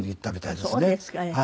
そうですかええ。